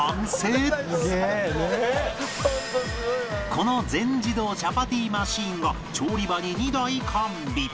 この全自動チャパティマシンが調理場に２台完備